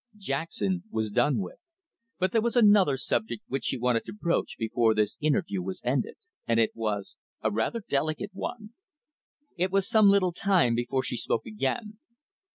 Jackson was done with, but there was another subject which she wanted to broach before this interview was ended. And it was a rather delicate one. It was some little time before she spoke again.